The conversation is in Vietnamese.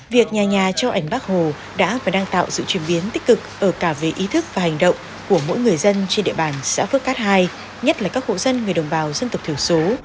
việc nhà nhà cho ảnh bác hồ đã và đang tạo sự chuyển biến tích cực ở cả về ý thức và hành động của mỗi người dân trên địa bàn xã phước cát ii nhất là các hộ dân người đồng bào dân tộc thiểu số